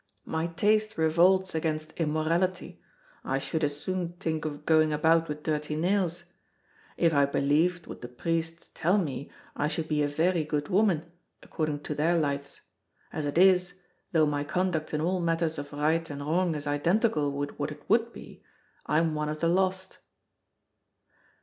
My taste revolts against immorality; I should as soon think of going about with dirty nails. If I believed what the priests tell me I should be a very good woman, according to their lights. As it is, though my conduct in all matters of right and wrong is identical with what it would be, I'm one of the lost."